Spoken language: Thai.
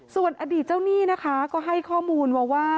ส่วนอดีตเจ้านี่ก็ให้ข้อมูลว่า